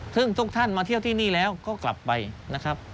ซึ่งทุกท่านมาเที่ยวที่นี่แล้วก็กลับไปนะครับ